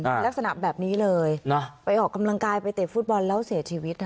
ลักษณะแบบนี้เลยนะไปออกกำลังกายไปเตะฟุตบอลแล้วเสียชีวิตอ่ะ